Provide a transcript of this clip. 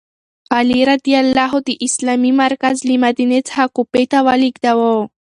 علي رض د اسلامي مرکز له مدینې څخه کوفې ته ولیږداوه.